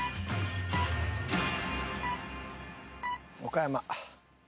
岡山。